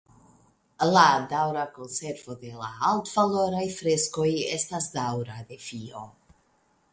La daŭra konservo de la altvaloraj freskoj estas daŭra defio.